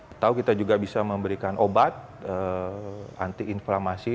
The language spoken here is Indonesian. atau kita juga bisa memberikan obat anti inflamasi